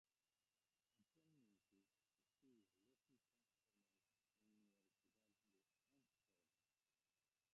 Actualmente estudia lógica en la Universidad de Ámsterdam.